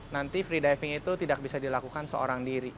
nanti free diving itu tidak bisa dilakukan seorang diri